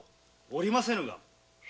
おりませぬが。